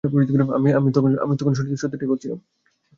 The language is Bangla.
আমি তখন সত্যিটাই বলেছিলাম।